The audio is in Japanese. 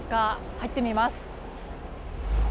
入ってみます。